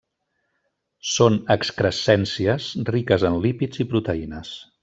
Són excrescències riques en lípids i proteïnes.